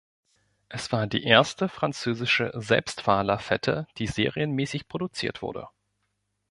Es war die erste französische Selbstfahrlafette, die serienmäßig produziert wurde.